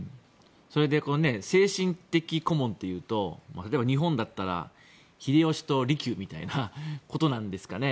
それで精神的顧問というと例えば日本だったら秀吉と利休みたいなことなんですかね。